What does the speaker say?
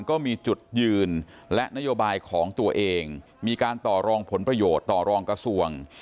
ก็มีจุดยืนและนโยบายของตัวเองมีการต่อรองผลประโยชน์ต่อรองกระทรวง